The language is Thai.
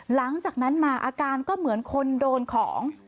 หลังจากนั้นมาอาการก็เหมือนคนโดนของ